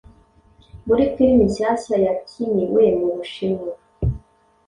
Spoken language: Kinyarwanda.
muri film nshyashya yakiniwe mu Bushinwa